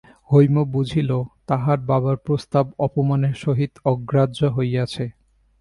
হৈম বুঝিল, তাহার বাবার প্রস্তাব অপমানের সহিত অগ্রাহ্য হইয়াছে।